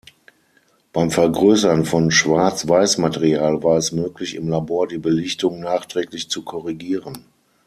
Beim Vergrößern von Schwarz-Weiß-Material war es möglich, im Labor die Belichtung nachträglich zu korrigieren.